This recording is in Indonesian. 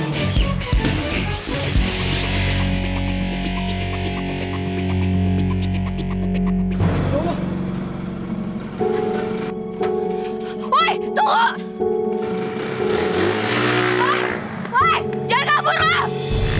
jangan kabur loh